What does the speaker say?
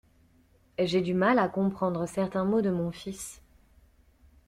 J'ai du mal à comprendre certains mots de mon fils.